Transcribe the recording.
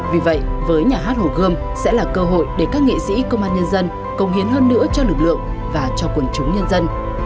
vì vậy với nhà hát hồ gươm sẽ là cơ hội để các nghệ sĩ công an nhân dân công hiến hơn nữa cho lực lượng và cho quần chúng nhân dân